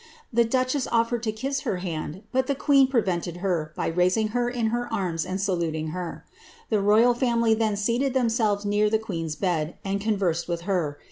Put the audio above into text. The duchess otfered to kiss her hand, but the queen prevented her, by raising her in her arms and saluting her. The rortl family then seated themselves near the qucen^s bed, and conversed vith her.